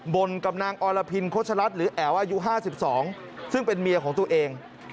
บนกับนางอรพินโฆษรัฐหรือแอ๋วอายุ๕๒ซึ่งเป็นเมียของตัวเอง